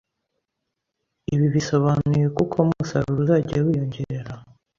ibi bisobanuye ko uko umusaruro uzajya wiyongera,